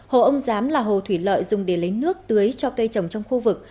hồ ông giám là hồ thủy lợi dùng để lấy nước tưới cho cây trồng trong khu vực